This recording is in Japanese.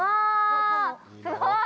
すごい。